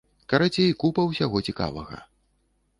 Карацей, купа ўсяго цікавага.